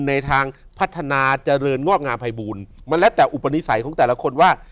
ในทางพัฒนาเจริญงอกงามภัยบูลมันแล้วแต่อุปนิสัยของแต่ละคนว่า